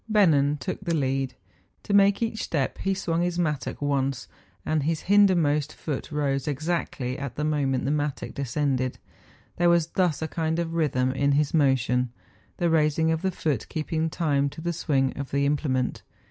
Bennen took the lead ; to make each step he swung his mattock once, and his hindermost foot rose exactly at the moment the mattock descended; there was thus a kind of rhythm in his motion, the raising of the foot keeping time to the swing of the implement.